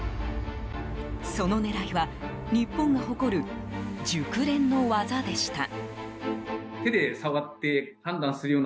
その狙いは日本が誇る熟練の技でした。